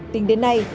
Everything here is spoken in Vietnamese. tính đến nay